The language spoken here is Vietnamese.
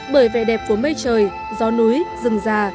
bởi vẻ đẹp của mây trời gió núi rừng già